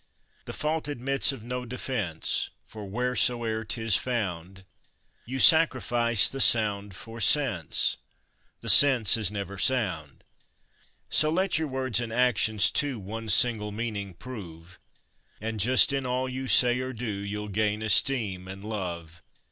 The fault admits of no defence, for wheresoe'er 'tis found, You sacrifice the sound for sense; the sense is never sound. So let your words and actions, too, one single meaning prove, And just in all you say or do, you'll gain esteem and love.